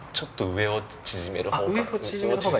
上を縮める方がいい。